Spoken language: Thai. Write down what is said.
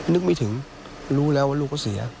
นึกไม่ถึงรู้แล้วว่าลูกเขาเสีย